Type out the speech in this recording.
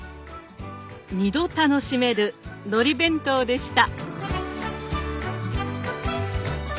「２度楽しめるのり弁当」でした。